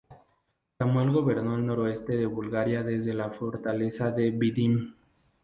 Samuel gobernó el noroeste de Bulgaria desde la fortaleza de Vidin.